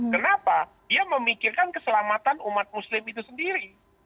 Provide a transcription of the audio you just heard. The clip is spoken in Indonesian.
kenapa dia memikirkan keselamatan umat muslim itu sendiri